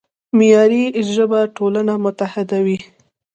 معیاري ژبه ټولنه متحدوي.